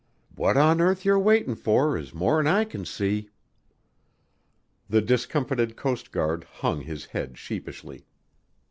"What on earth you're waitin' for is mor'n I can see." The discomfited coast guard hung his head sheepishly.